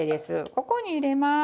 ここに入れます。